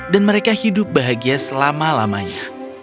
dan mereka hidup bahagia selama lamanya